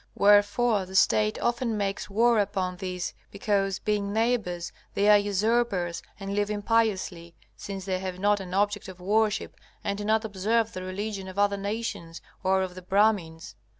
Wherefore the State often makes war upon these because, being neighbors, they are usurpers and live impiously, since they have not an object of worship and do not observe the religion of other nations or of the Brahmins.